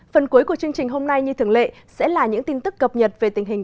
phần cuối của chương trình hôm nay như thường lệ sẽ là những tin tức cập nhật về tình hình